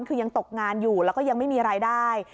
คือยังตกงานอยู่แล้วก็ยังไม่มีรายได้